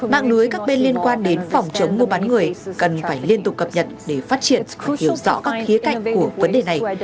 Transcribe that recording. mạng lưới các bên liên quan đến phòng chống mua bán người cần phải liên tục cập nhật để phát triển hiểu rõ các khía cạnh của vấn đề này